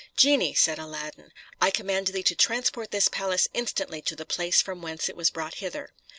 "Genie," said Aladdin, "I command thee to transport this palace instantly to the place from whence it was brought hither."